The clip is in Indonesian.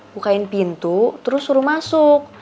bukain pintu terus suruh masuk